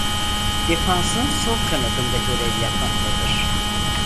Defans'ın sol kanadında görev yapmaktadır.